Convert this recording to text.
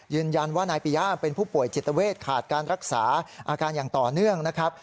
ยืนยันว่านายปีย่าเป็นผู้ป่วยจิตเวทขาดการรักษาอาการอย่างต่อเนื่องนะครับ